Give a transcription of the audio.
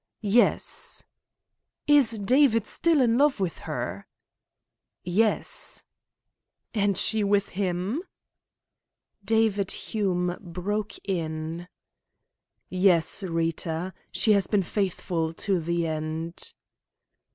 "Yes." "Is David still in love with her?" "Yes." "And she with him?" David Hume broke in: "Yes, Rita. She has been faithful to the end."